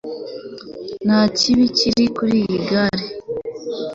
nta kibi kiri kuri iyi gare